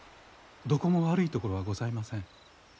どこも悪いところはございません。